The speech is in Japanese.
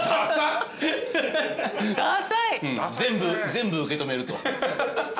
全部受け止めると。